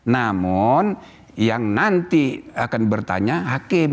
namun yang nanti akan bertanya hakim